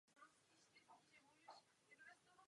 Profesí byl stavebníkem v Trnavě.